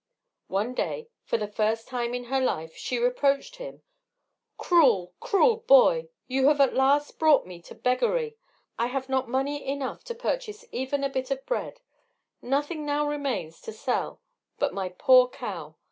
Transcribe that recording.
One day, for the first time in her life, she reproached him: "Cruel, cruel boy! you have at last brought me to beggary. I have not money enough to purchase even a bit of bread; nothing now remains to sell but my poor cow!